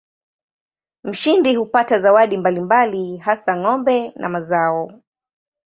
Mshindi hupata zawadi mbalimbali hasa ng'ombe na mazao.